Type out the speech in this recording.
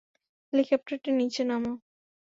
হেলিকপ্টারটি নিচে নামাও!